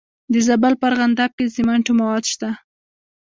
د زابل په ارغنداب کې د سمنټو مواد شته.